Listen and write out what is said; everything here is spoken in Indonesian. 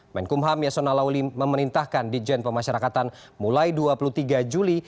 menkumham yasona lauli memerintahkan dijen pemasyarakatan mulai dua puluh tiga juli